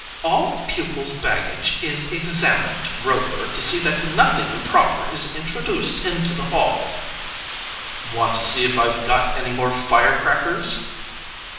"All pupils' baggage is examined, Rover, to see that nothing improper is introduced into the Hall." "Want to see if I've got any more firecrackers?"